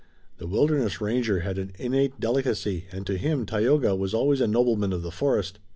The wilderness ranger had an innate delicacy and to him Tayoga was always a nobleman of the forest.